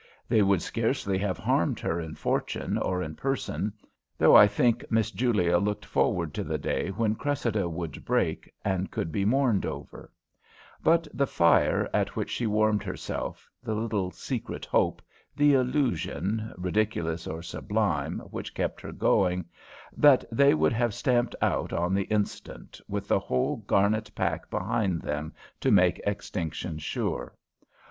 They would scarcely have harmed her in fortune or in person (though I think Miss Julia looked forward to the day when Cressida would "break" and could be mourned over), but the fire at which she warmed herself, the little secret hope, the illusion, ridiculous or sublime, which kept her going, that they would have stamped out on the instant, with the whole Garnet pack behind them to make extinction sure.